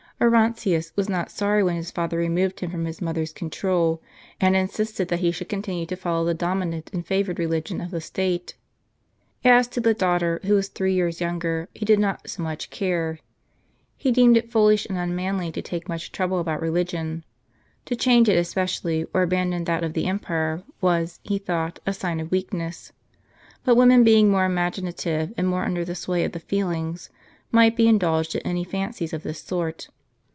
Orontius was not sorry when his father removed him from his mother's control, and insisted that he should continue to follow the dominant and favored religion of the state. As to the daughter, who was three years younger, he did not so much care. He deemed it foolish and unmanly to take much trouble about religion ; to change it especially, or abandon that of the empire, was, he thought, a sign of weak ness. But women being more imaginative, and more under the sway of the feelings, might be indulged in any fancies of this sort.